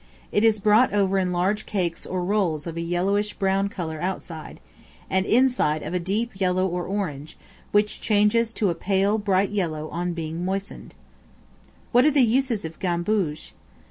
It is brought over in large cakes or rolls of a yellowish brown color outside, and inside of a deep yellow or orange, which changes to a pale bright yellow on being moistened. What are the uses of Gamboge?